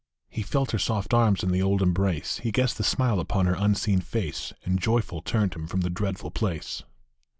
He felt her soft arms in the old embrace, He guessed the smile upon her unseen face, And joyful turned him from the dreadful place.